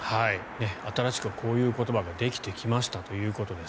新しくこういう言葉ができてきましたということです。